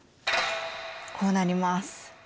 こうなります。